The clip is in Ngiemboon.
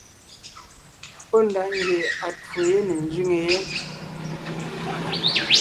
Pɔ́ ndaʼ ngie atwó yé ne ńzẅíŋe yé.